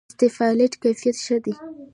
د اسفالټ کیفیت ښه دی؟